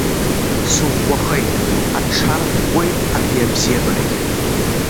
Сыӷәӷәахеит, аҽарӷәӷәеит ани абзиабарагьы.